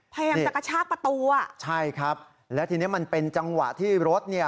พยายามจะกระชากประตูอ่ะใช่ครับแล้วทีนี้มันเป็นจังหวะที่รถเนี่ย